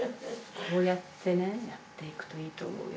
「こうやってねやっていくといいと思うよ」